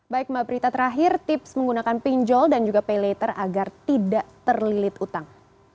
baik mbak brita terakhir tips menggunakan pinjol dan juga paylater agar tidak terlilit utang